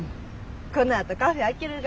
このあとカフェ開けるが？